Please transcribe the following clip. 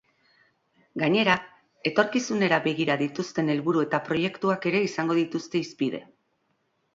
Gainera, etorkizunera begira dituzten helburu eta proiektuak ere izango dituzte hizpide.